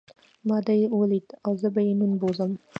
ما دی وليد او زه به نن دی بوځم.